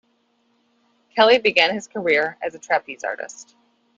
Kelly began his career as a trapeze artist.